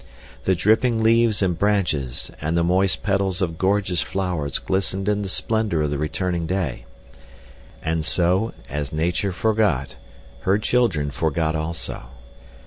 The dripping leaves and branches, and the moist petals of gorgeous flowers glistened in the splendor of the returning day. And, so—as Nature forgot, her children forgot also.